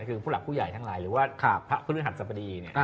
คือผู้หลักผู้ใหญ่ทั้งหลายหรือว่าพระพฤหัสสบดี